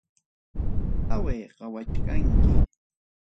Qaway qawachkanki.